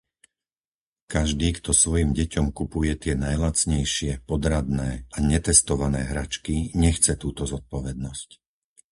Každý, kto svojim deťom kupuje tie najlacnejšie, podradné a netestované hračky, nechce túto zodpovednosť!